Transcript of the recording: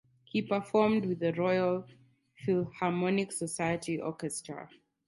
He performed with the Royal Philharmonic Society orchestra.